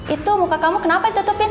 itu muka kamu kenapa ditutupin